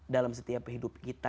dalam setiap kehidupan kita